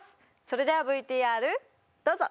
それではＶＴＲどうぞ！